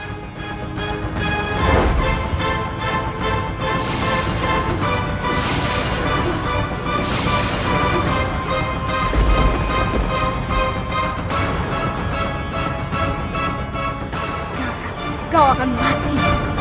sekarang kau akan mati